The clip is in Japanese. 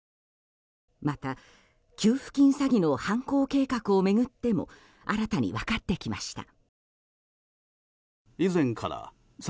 また給付金詐欺の犯行計画を巡っても新たに分かってきました。